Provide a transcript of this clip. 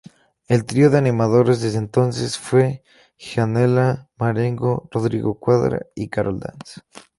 El trío de animadores desde entonces fue Gianella Marengo, Rodrigo Cuadra y Karol Dance.